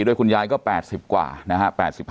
ด้วยคุณยายก็๘๐กว่านะฮะ